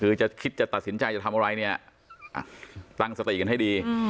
คือจะคิดจะตัดสินใจจะทำอะไรเนี่ยตั้งสติกันให้ดี